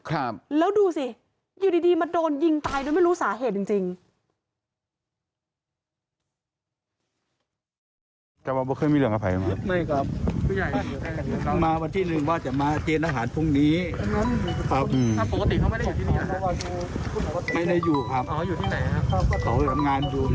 ครับแล้วดูสิอยู่ดีมาโดนยิงตายโดยไม่รู้สาเหตุจริงจริง